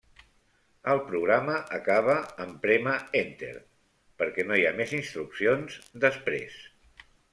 El programa acaba en prémer 'enter' perquè no hi ha més instruccions després.